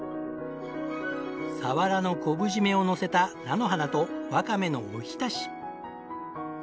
サワラの昆布締めをのせた菜の花とワカメのおひたし。